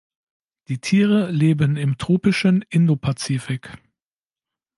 Die Tiere leben im tropischen Indopazifik.